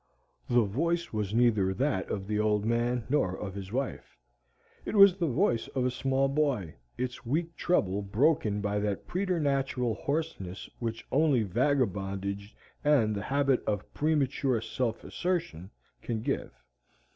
The voice was neither that of the Old Man nor of his wife. It was the voice of a small boy, its weak treble broken by that preternatural hoarseness which only vagabondage and the habit of premature self assertion can give.